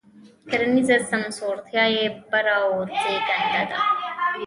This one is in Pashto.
کرنیزه سمسورتیا یې بره او زېږنده ده.